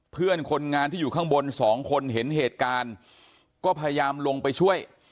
เพื่อนคนงานที่อยู่ข้างบนสองคนเห็นเหตุการณ์ก็พยายามลงไปช่วย